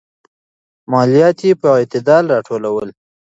ماليات يې په اعتدال راټولول.